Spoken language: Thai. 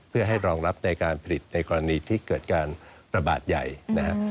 เพื่อให้รองรับในการผลิตในกรณีที่เกิดการระบาดใหญ่นะฮะ